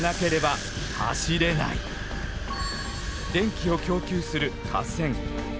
電気を供給する架線。